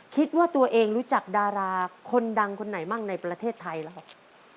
คิดว่าตัวเองรู้จักดาราคนดังคนไหนบ้างในประเทศไทยแล้วครับ